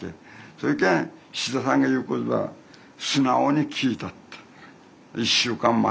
そやけん七田さんが言うことは素直に聞いたった。